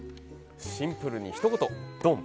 シンプルにひと言。